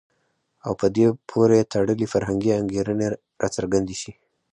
او په دې پورې تړلي فرهنګي انګېرنې راڅرګندې شي.